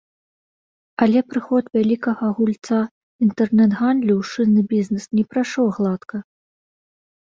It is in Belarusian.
Але прыход вялікага гульца інтэрнэт-гандлю ў шынны бізнэс не прайшоў гладка.